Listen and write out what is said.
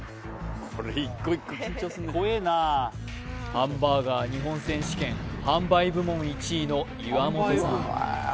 ハンバーガー日本選手権販売部門１位の岩元さん